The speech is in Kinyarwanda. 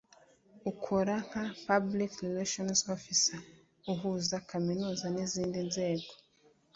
akora nka Public Relations Officer (uhuza kaminuza n’izindi nzego)